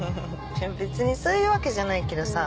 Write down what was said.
別にそういうわけじゃないけどさ。